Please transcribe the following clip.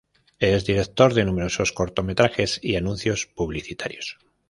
Es director de numerosos cortometrajes y anuncios publicitarios.